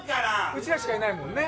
うちらしかいないもんね。